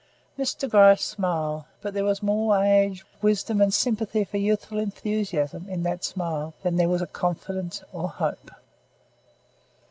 Mr. Gryce smiled; but there was more age, wisdom and sympathy for youthful enthusiasm in that smile than there was confidence or hope.